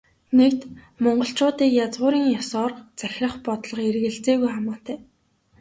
Нэгд, монголчуудыг язгуурын ёсоор захирах бодлого эргэлзээгүй хамаатай.